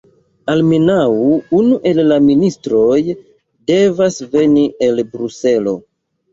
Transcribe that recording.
Almenaŭ unu el la ministroj devas veni el Bruselo.